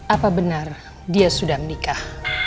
apa benar dia sudah menikah